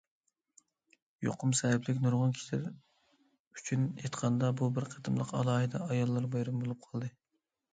يۇقۇم سەۋەبلىك، نۇرغۇن كىشىلەر ئۈچۈن ئېيتقاندا بۇ بىر قېتىملىق ئالاھىدە ئاياللار بايرىمى بولۇپ قالدى.